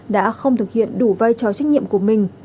đã không thực hiện đủ vai trò trách nhiệm của mình